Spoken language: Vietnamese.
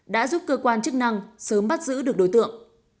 đã giúp cơ quan chức năng sớm bắt giữ được đối tượng